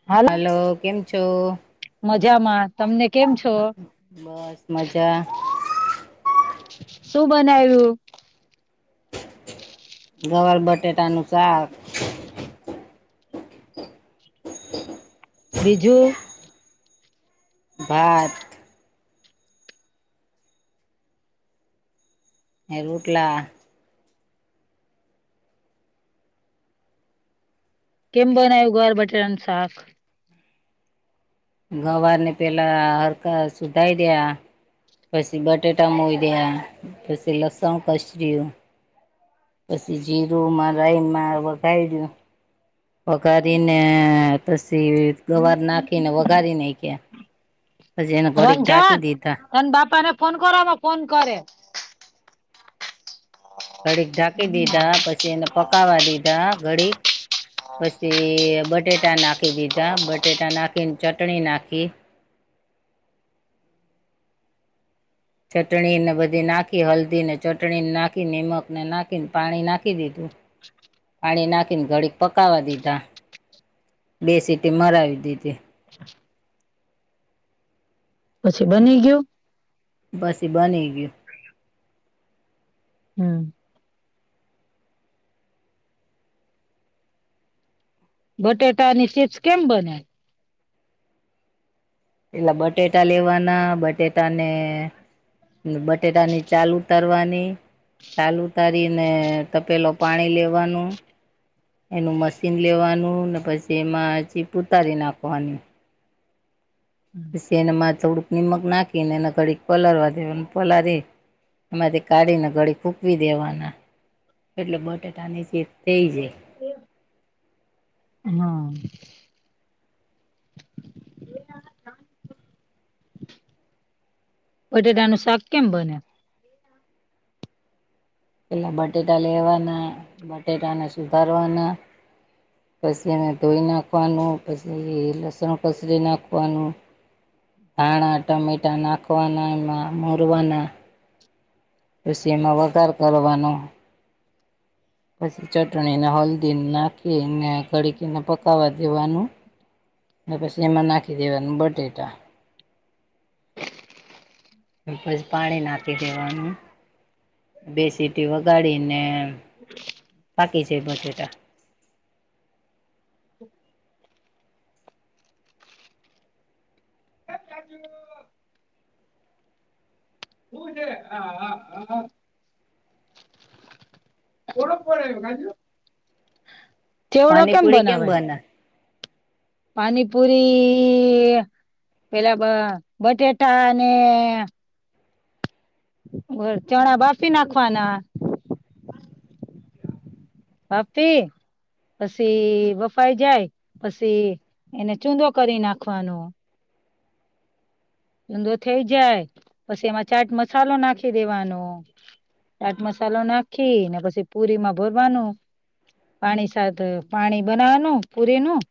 હાલ. હલો કેમ છો. મજામાં તમને કેમ છો. બસ મજા શું બનાવ્યું. ગવાર બટેટા નુ શાક. બીજું. ભાત. હે રોટલા. કેમ બનાયુ ગવાર બટેટાનું શાક. ગવાર ને પેલા હરકા સુધાઈ દેવા. પછી બટેટા મોઈર્યા પછી લસણ કચર્યું. પછી જીરુંમાં રઈમાં વગાઈ દું વઘારી ને પછી ગવાર નાખીને વઘારીનેખ્યા. પજી એન ગોડીગ ઢાકી દીધા. એને બાપા ને ફોન કરવામાં ફોન કરે. ઘડીક ઢાંકી દીધા પછી એને પકાવવા દીધા ઘડીક પછી બટેટા નાખી દીધા બટેટા નાખીને ચટણી નાખી. ચટણી ને બધી નાખી હલ્દી ને ચટણીને નાખી નીમકને નાખીને પાણી નાખી દીધું. પાણી નાખીને ઘડી પકવા દીધા બે સીટી મરાવી દીધી. પછી બની ગયું. પસે બની ગયું. હા. બટેાટા અને ચીપ્સ કેમ બને. એટલા બટેટા લેવાના બટેટા ને ને બટેટાની ચાલ ઉતરવાની, ચાલ ઉતારીને તપેલો પાણી લેવાનું. એનું મશીન લેવાનું ને પછી એમાં ચિપ ઉતારી નાખવાની. પછી એને મા થોડુંક નીમક નાખીને એને કડીક પલળવા દેવા પલળી. એમાંથી કાઢીને ઘડી ફૂકવી દેવાના એટલે બટેાટા નીચે થઇ જાય. હા. [unintelligible] બટેટા નું શાક કેમ બને. પેલા બટેટા લેવાના બટેટાને સુધારવાના. પસી એને ધોઈ નાખવાનું, પસી લસણ કસરી નાખવાનું. ધાણા ટમેટા નાખવાના એમાં, મોરવાના પસી એમાં વગાર કરવાનો. પછી ચટણીને હળદી નાખીને ઘડીકીને પકવા દેવાનું. ને પછી એમાં નાખી દેવાનું બટેટા. અન પછી પાણી નાખી દેવાનું. બે સીટી વગાડીને, પાકીછે બટેટા. [unintelligible] [unintelligible] [unintelligible] ચેવડો કેમ પાણીપુરી બનાવાય? બને પાનીપુરી ય, પેલા બટેાટા અને ઓર ચણા બાફી નાખવાના. બાફી પસી વફાઈ જાય, પસી એને ચૂંદો કરી નાખવાનો. છુંદો થઇ જાય, પછી એમાં ચાટ મસાલો નાખી દેવાનો. ચાટ મસાલો નાખી, ને પછી પુરી માં ભરવાનું. પાણી સાથ પાણી બનાવાનું પુરીનું.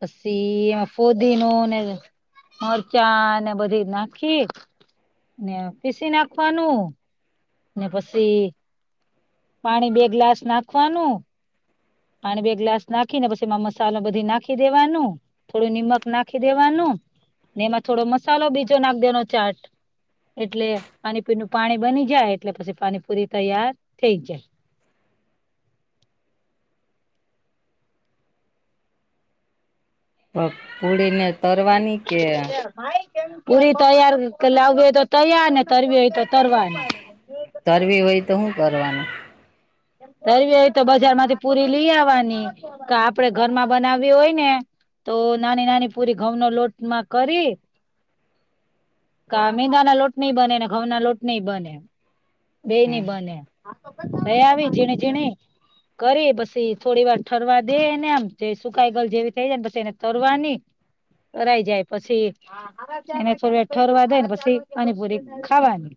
પસી, એમાં ફોદીનો ને મરચાંને બધી નાખી ને પીસી નાખવાનું. ને પસી પાણી બે ગ્લાસ નાખવાનું. પાણી બે ગ્લાસ નાખી ને પસી માં મસાલો બધી નાખી દેવાનું. થોડું નિમક નાખી દેવાનું, ને એમાં થોડો મસાલો બીજો નાખ દેનો ચાટ. એટલે પાણીપુ નું પાણી બની જાય, એટલે પછી પાણીપુરી તૈયાર થઈ જાય. પ પૂડીને તરવાની કે પૂરી તૈયાર કે લાવવી હોતો તૈયારને તરવી હોય તો તરવાની [inaudible] તરવી હોય તો હું કરવાનું? તરવી હોય તો બજાર માંથી પૂરી લઈ આવવાની, કે આપડણે ઘરમાં બનાવવી હોય ને તો નાની નાની પૂરી ઘઉ નો લોટ માં કરી કા મેંદા ના લોટ ની બને, ને ઘઉ ના લોટ ની બને. હમ બેની બને, લઈ આવી ઝીણી ઝીણી કરી પછી થોડી વાર ઠરવા દે એને આમ, જે સુકાઈ ગલ જેવી થઈ જાય ને પછી એને તરવાની તરાય જાય પછી એને થોડી વા ઠરવા દે ને પસી પાનીપુરી ખાવાની.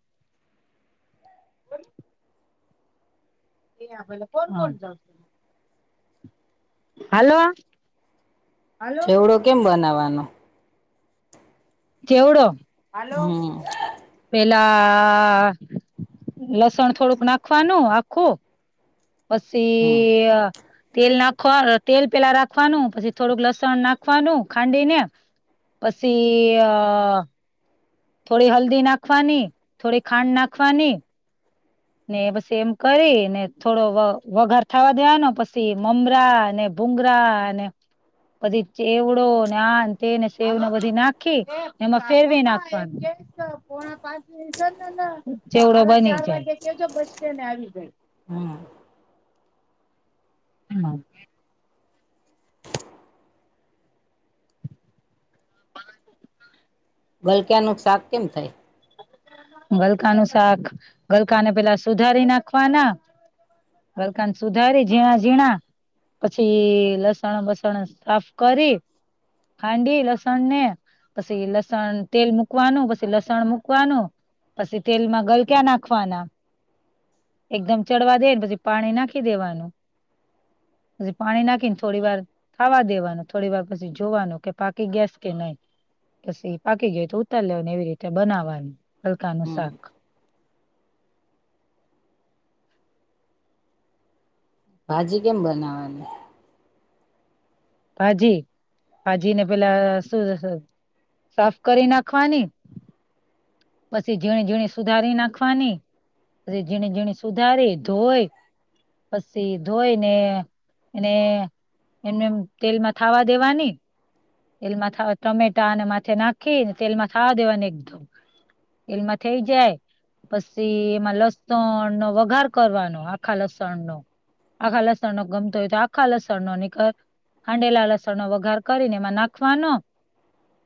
હા, હેલો છેવડો કેમ બનાવવાનો? ચેવડો? હમ પેલા લસણ થોડુંક નાખવાનું આખું. હમ પસી અ તેલ નાખવા તેલ પેલા રાખવાનું, પછી થોડુંક લસણ નાખવાનું ખાંડીને. પછી અ થોડી હલ્દી નાખવાની થોડી ખાંડ નાખવાની. ને પછી એમ કરી ને થોડો વઘાર થવા દેવાનો પછી મમરા ને. બુંંગરા અને પચી ચેવડો ને આ તેને સેવને બધી નાખી એમાં ફેરવી નાખવાનું ચેવડો બની જાય. હમ્મ [unintelligible] [unintelligible] બલક્યા ન શાક કેમ થાય? ગલકા નું શાક ગલકા ને પેલા સુધારી નાખવાના. વરકાન સુધારે ઝીણા ઝીણા. પછી લસણ બસણ સાફ કરી. ખાંડી લસણ ને, પછી લસણ તેલ મુકવાનું પછી લસણ મક મૂકવાનું, પછી તેલમાં ગલક્યા નાખવાના. એકદમ ચડવા દે ને પછી પાણી નાખી દેવાનું. હછી પાણી નાખી થોડી વાર ખાવા દેવાનું થોડી વાર પછી જોવાનું કે પાકી ગેસ કે નહી. પછી પાકી ગયો તો ઉતારી લેને એવી રીતે બનાવવાનું હલકાનું હમ શાક. ભાજી કેમ બનાવાની. ભાજી ભાજી ને પેલા શુંશે સાફ કરી નાખવાની. પછી ઝીણી ઝીણી સુધારી નાખવાની. જેણે જેણે સુધારે ધોય. પછી ધોઈ ને એને એમને એમ તેલ માં થાવા દેવાની. તેલમાં થાવા ટમેટા અને માથે નાખીને તેલમાં થાવા દેવાને એકદો. એલમાં થઇ જાય. પછી એમાં લસણનો વઘાર કરવાનો આખા લસણ નો. આ ખાાલસણ નો ગમતો તો આ ખાલસર નો ર ખાંડેલા લસણનો વઘાર કરીને એમાં નાખવાનો.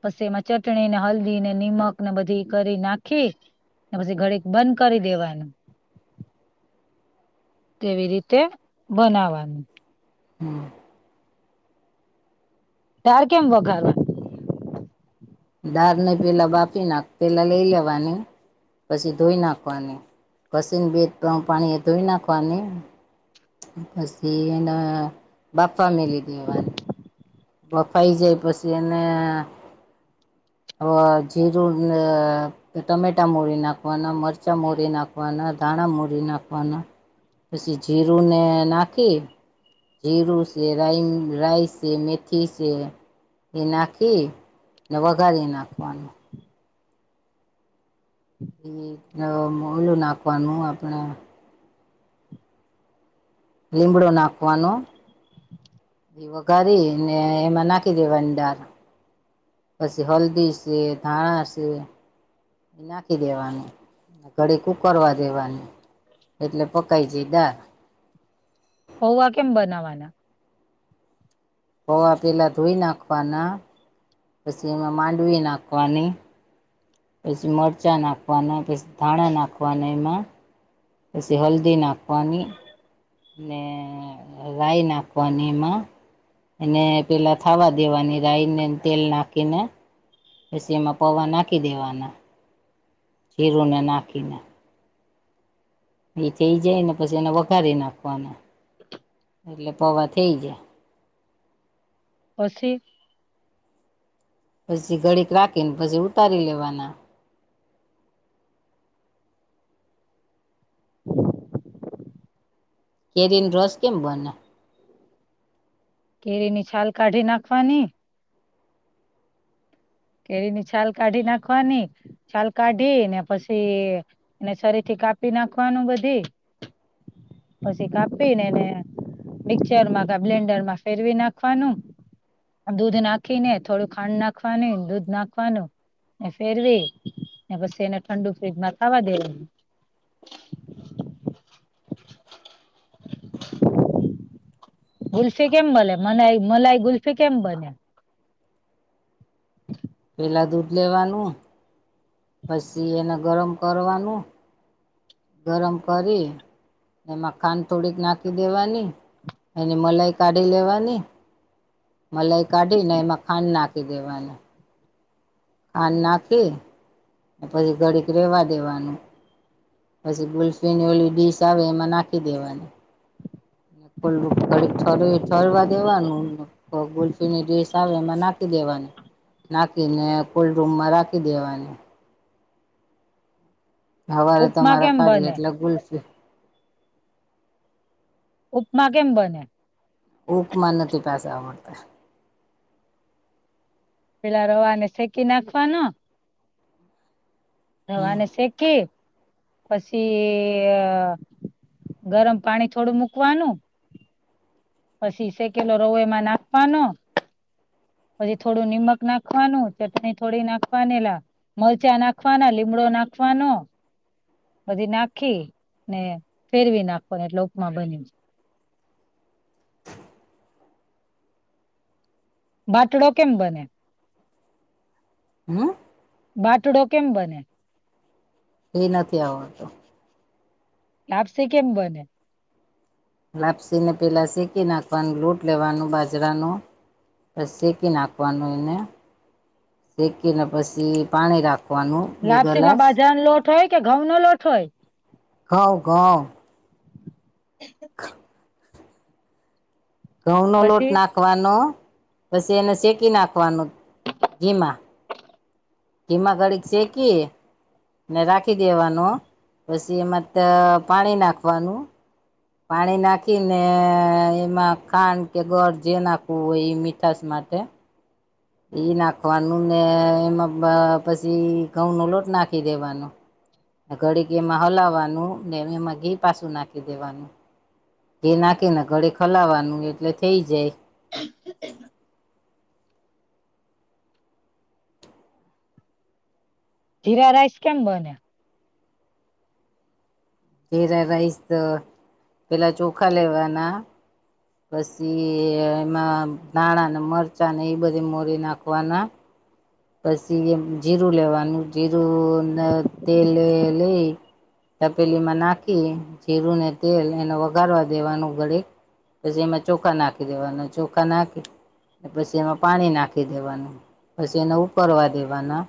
પછી એમાં ચટણી ને હલ્દી ને નિમક ને બધી કરી નાખી. પછી ઘરે બંધ કરી દેવાયને. હ [inaudible] કેવી રીતે બનાવાનું. હમ. તાર કેમ વઘારવાનું? દાળ નહી પેલા બાફી નાખ પેલા લઈ લેવાની. પછી ધોઈ નાખવાની, પસીને બે ત્રણ પાણી એ ધોઈ નાખવાની. પછી એના બાપા મે લ દેવાની. બફાઈ જાય પછી એને અ જઝીડુંને તો ટમેટા મરી નાખવાના મરચાં મરી નાખવાના ધાણા મરી નાખવાના. પછી જીરુંને નાખી. જઝીરું સ રાઈ રાઈસે મે થી છે, એ નાખી ને વઘારી નાખવાનું. ઓલું નાખવાનું આપણા લીમડો નાખવાનો. વિવો કરી ને એમાં નાખી દેવાંડર. પછી હલ્દી છે ધાણા છે. એ નાખી દેવાનું ઘડી ઉકરવા દેવાનું. એટલે પકાઈ જઈ દા પૌવા કેમ બનાવવાના? પૌવા પેલાં ધોઈ નાખવાના. પછી એમાં માંડવી નાખવાની. પછી મરચાં નાખવાના પછી ધાણા નાખવાના એમાં. જી હલ્દી નાખ પાણી. અનેને રાાય નાખમાં. એને પેલા થાવા દેવાની રાયને તેલ નાખીને. પછી એમાં પવા નાખી દેવાના. ચીરું ને નાખિને એ થઇ જાય ને પછી એને વઘારી નાખવાના. એટલે પવા થઈ જાય. પછી પછી ગડીક રાખીને પછી ઉતારી લેવાના. કેરીન રસ કેમ બને? કેરી ની છાલ કાઢી નાખવાની કેરીની છાલ કાઢી નાખવાની છાલ કાઢી ને પછી એને શરીથી કાપી નાખવાનું બધી પછી કાપીને એને મિક્ચર માં ક બ્લેન્ડરમાં ફેરવી નાખવાનું દૂધ નાખી ને થોડું ખાંડ નાખવાની દૂધ નાખવાનું ને ફેરવી પછી એને ઠંડુ ફ્રીજમાં ખાવા દેવાનું. ગુલ્ફી કેમ બને મનાઈ મલાઈ ગુલ્ફી કેમ બને? પેલા દૂધ લેવાનું પછી એને ગરમ કરવાનું ગરમ કરી ને એમાં ખાંડ થોડીક નાખી દેવાની એની મલાઈ કાઢી લેવાની મલાઈ કાઢીને એમાં ખાન નાખી દવાનું ખાન નાખી ને પહિ ઘડીક રેવા દેવાનું. પછી ગુલ્ફીન ઓલી ડીશ આવે એમાં નાખી દેવાની. લ ઘડીક ઠરવી ઠરવા દેવાનું કો ગુલ્ફીની ડિસ આવે એમાં નાખી દેવાની નાખીને કોલ્ રૂમમાં રાખી દેવાની હવારે ઉપમા તમારા કેમ કાઢલે બને એટલે ગુલ્ફ ઉપમા કેમ બને? ઉપમા નથી પાસા આવડતા. પેલા રવાને શેકી નાખવાનો. રવા હમ ને શેકી પછી અહ ગરમ પાણી થોડું મૂકવાનું પછી શેકેલો રવો એમાં નાખવાનો પછી થોડું નિમક નાખવાનું ચટણી થોડી નાખવાની લા મરચાં નાખવાના લીમડો નાખવાનો બધી નાખી ને ફેરવી નાખોને એટલે ઉપમા બની બાટડો કેમ બને? હમ્મ. બાટડો કેમ બને? એ નથી આવડતો. લાપશી કેમ બને? લાપસી ને પેલા શેકી નાખવાનું લોટ લેવાનું બાજરાનું પ શેકી નાખવાનું એને. શેકીને પછી પાણી રાખ લાપસી માં બાજાર નો લોટ હોય કે ઘઉં નો લોટ હોય ગઉં ગં એક હ ઘઉંનો લોટ પછી નાખવાનો પછી એને શેકી નાખવાનો ઘીમાં. ઘીમા ઘડીક શેકી ને રાખી દેવાનો પછી એમાં ત પાણી નાખવાનું પાણી નાખીને એમાં ખાંડ કે ગળ જે નાખવું હોય એ મીઠાશ માટે ઈ નાખવાનું ને એમાં પ-પછી ઘઉં નો લોટ નાખી દેવાનો. અહ ઘડી ઘી એમાં હલાવવાનું ને એ એમાં ઘી પાછું નાખી દેવાનું. જે નાખે ને ઘળે ખલાવાનું એટલે થઈ જાય એ જ જીરા રાઈસ કેમ બને્યા જેેરા રાઈસ પેલા ચોખા લેવાના પછી એમાં ધાણા મરચાં ને એ બધે મોરી નાખવાના પછી એમ જીરું લેવાનું જીરુંને તેલ લઈ તપેલીમાં નાખી જીરું ને તેલ એને વઘારવા દેવાનું [inaudible] પછી એમાં ચોખા નાખી દેવાના ચોખા નાખી પછી એમાં પાણી નાખી દેવાનું પછી એને ઉરવા દેવાના